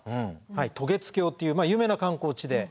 渡月橋という有名な観光地で。